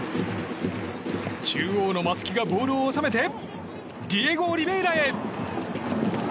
中央の松木がボールを収めてディエゴ・オリヴェイラへ！